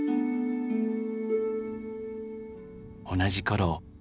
同じ頃。